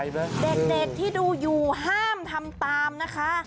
เด็กที่ดูอยู่ห้ามทำตามนะคะ